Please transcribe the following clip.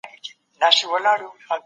موږ ښوونکي ته غوږ نه نيسو.